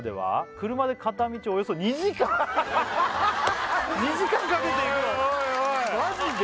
「車で片道およそ２時間」２時間かけて行くのマジで？